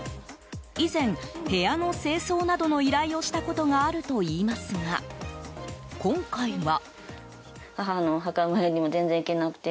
以前、部屋の清掃などの依頼をしたことがあるといいますが今回は。